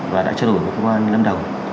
và đã trở đổi với công an lâm đồng